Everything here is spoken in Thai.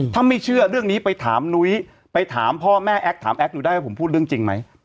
ถ้าไม่เชื่อเรื่องนี้ไปถามนุ้ยไปถามพ่อแม่แอ๊กถามแอ๊กดูได้ว่าผมพูดเรื่องจริงไหม